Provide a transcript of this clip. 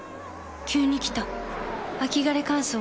急に来た秋枯れ乾燥。